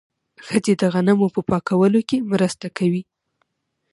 ښځې د غنمو په پاکولو کې مرسته کوي.